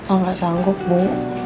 el gak sanggup bu